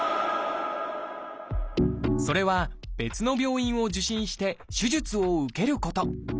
それは別の病院を受診して手術を受けること。